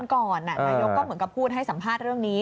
ก่อนนายกก็เหมือนกับพูดให้สัมภาษณ์เรื่องนี้